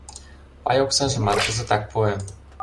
Пай оксажымат кызытак пуэм.